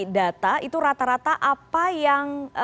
data itu rata rata apa yang